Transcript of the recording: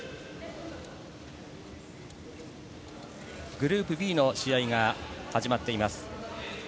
グループＢの試合が始まっています。